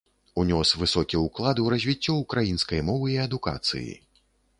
Унёс высокі ўклад у развіццё ўкраінскай мовы і адукацыі.